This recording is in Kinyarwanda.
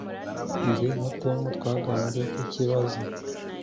Jye na Tom twaganiriye ku kibazo